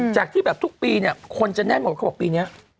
จากที่แบบทุกปีคนจะแน่บอกว่าเขาบอกปีนี้